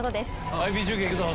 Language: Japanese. ＩＰ中継いくぞ。